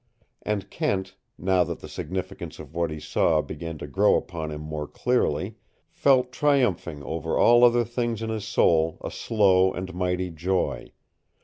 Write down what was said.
And Kent, now that the significance of what he saw began to grow upon him more clearly, felt triumphing over all other things in his soul a slow and mighty joy.